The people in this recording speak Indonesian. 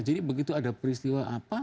jadi begitu ada peristiwa apa